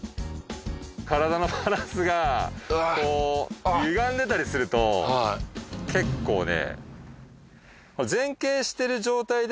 体のバランスがこうゆがんでたりすると結構ね。